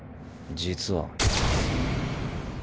実は。